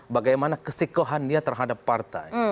bagaimana kesikohan dia terhadap partai